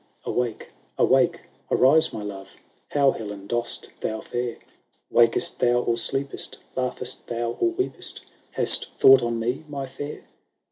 XXVII "Awake, awake, arise my love ! How, Helen, dost thou fare ? Wakest thou, or sleep'st ? laugh'st thou, or weep'st ? Hast thought on me, my fair